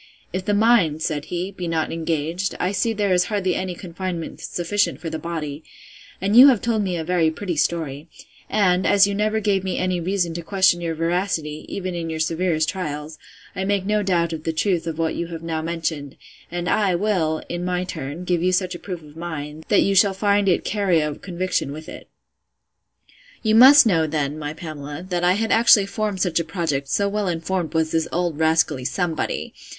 If the mind, said he, be not engaged, I see there is hardly any confinement sufficient for the body; and you have told me a very pretty story; and, as you never gave me any reason to question your veracity, even in your severest trials, I make no doubt of the truth of what you have now mentioned: and I will, in my turn, give you such a proof of mine, that you shall find it carry a conviction with it. You must know, then, my Pamela, that I had actually formed such a project, so well informed was this old rascally Somebody!